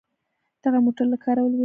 دغه موټر له کاره لوېدلی.